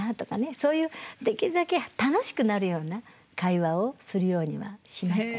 そういうできるだけ楽しくなるような会話をするようにはしましたね。